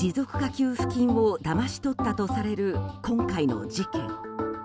給付金をだまし取ったとされる今回の事件。